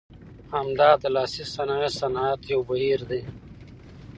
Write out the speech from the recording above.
همدا د لاسي صنایع صنعت یو بهیر دی.